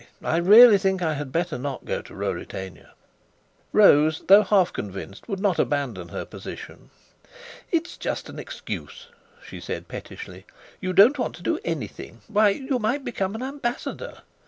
"I really think I had better not go to Ruritania." Rose, though half convinced, would not abandon her position. "It's just an excuse," she said pettishly. "You don't want to do anything. Why, you might become an ambassador!"